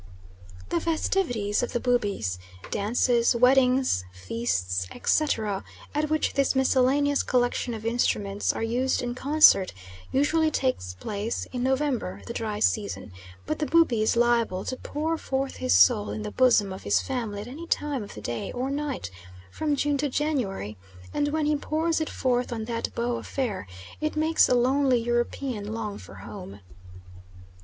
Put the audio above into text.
The festivities of the Bubis dances, weddings, feasts, etc., at which this miscellaneous collection of instruments are used in concert, usually take place in November, the dry season; but the Bubi is liable to pour forth his soul in the bosom of his family at any time of the day or night, from June to January, and when he pours it forth on that bow affair it makes the lonely European long for home.